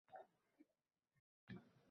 lekin ma’nan halok bo‘ladi.